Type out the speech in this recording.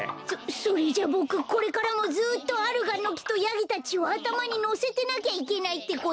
そそれじゃボクこれからもずっとアルガンのきとヤギたちをあたまにのせてなきゃいけないってこと？